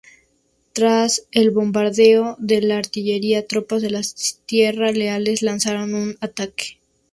Tras el bombardeo de la artillería, tropas de tierra leales lanzaron un ataque.